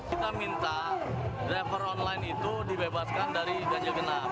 kita minta driver online itu dibebaskan dari ganjil genap